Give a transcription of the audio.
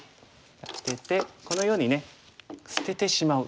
アテてこのようにね捨ててしまう。